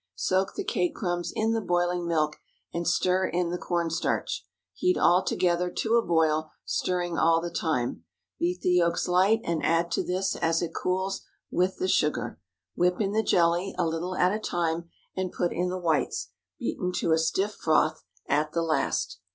Soak the cake crumbs in the boiling milk, and stir in the corn starch. Heat all together to a boil, stirring all the time. Beat the yolks light, and add to this as it cools, with the sugar. Whip in the jelly, a little at a time, and put in the whites—beaten to a stiff froth—at the last.